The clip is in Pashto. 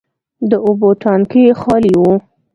د اوبو ټانکي خالي و.